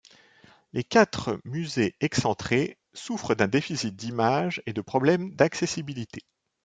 Les quatre musées excentrés souffrent d'un déficit d'image et de problèmes d'accessibilité.